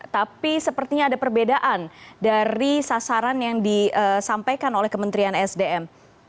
tapi sepertinya ada perbedaan dari sasaran yang disampaikan oleh kementerian sdm